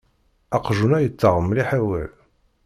Aqjun-a yettaɣ mliḥ awal.